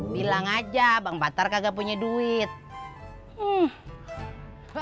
bilang aja bang patungku yang kurang sehat yaa